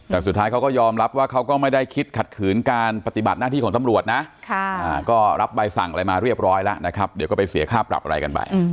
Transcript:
แต่สุดท้ายเขาก็ยอมรับว่าเขาก็ไม่ได้คิดขัดขืนการปฏิบัติหน้าที่ของธรรมจับไปกันไหม